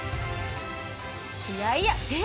いやいやえっ？